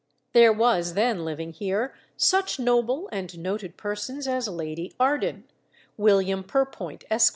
There were then living here such noble and noted persons as Lady Arden, William Perpoint, Esq.